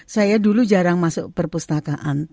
saya dulu jarang masuk perpustakaan